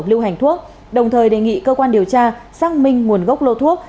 lưu hành thuốc đồng thời đề nghị cơ quan điều tra xác minh nguồn gốc lô thuốc